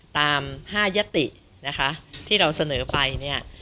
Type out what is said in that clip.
ตาม๕ยตินะคะที่เราเสนอไปเนี่ย